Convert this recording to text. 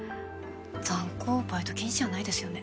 ザン高バイト禁止やないですよね？